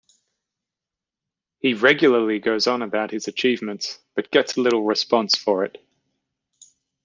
He regularly goes on about his achievements, but gets little response for it.